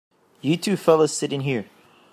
You two fellas sit in here.